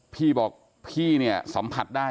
พี่บอกพี่เนี่ยสัมผัสได้